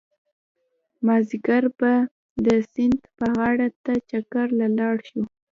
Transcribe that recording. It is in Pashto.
مازيګر به د سيند غاړې ته چکر له لاړ شو